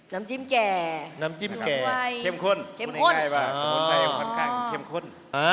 น้ำจิ้มแก่เข้มข้นสมุนไพรยังค่อนข้างเข้มข้น